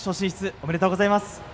ありがとうございます。